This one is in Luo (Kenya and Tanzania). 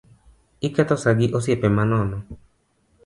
Iketho saa gi osiepe manono